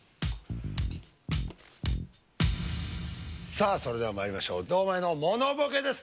さあそれではまいりましょう堂前のものボケです